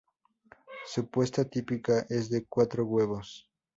Su puesta típica es de cuatro huevos.